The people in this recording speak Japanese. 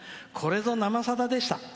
「これぞ「生さだ」でした。